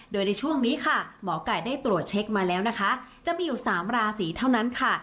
โดยในช่วงนี้ค่ะหมอไก่ได้ตรวจเช็คมาแล้วนะคะจะมีอยู่๓ราศีเท่านั้นค่ะ